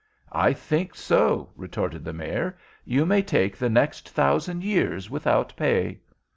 "I think so," retorted the Mayor. "You may take the next thousand years without pay."